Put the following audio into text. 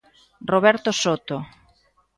Roberto Soto.